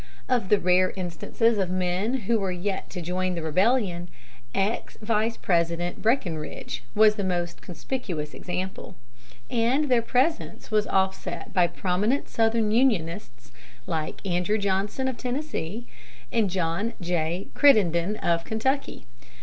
Of the rare instances of men who were yet to join the rebellion, ex Vice President Breckinridge was the most conspicuous example; and their presence was offset by prominent Southern Unionists like Andrew Johnson of Tennessee, and John J. Crittenden of Kentucky.